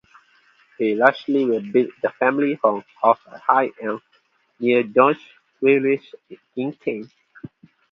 He largely rebuilt the family home of High Elms, near Downe village in Kent.